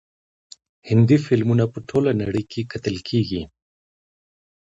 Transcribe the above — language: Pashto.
هندي فلمونه په ټوله نړۍ کې کتل کیږي.